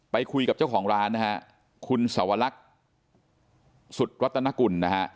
ไปคุยกับเจ้าของร้านนะฮะคุณสวรรคสุดรัตนกุลนะฮะ